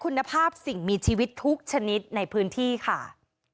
ในพื้นที่ค่ะ